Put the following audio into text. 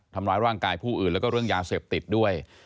ทำร้ายร่างกายผู้อื่นแล้วก็เรื่องยาเสพติดด้วย